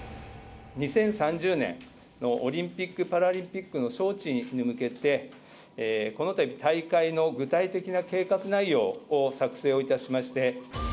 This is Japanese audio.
２０３０年のオリンピック・パラリンピックの招致に向けて、このたび、大会の具体的な計画内容を作成をいたしまして。